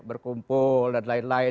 berkumpul dan lain lain